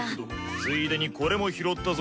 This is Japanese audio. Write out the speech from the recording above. ついでにこれも拾ったぞ。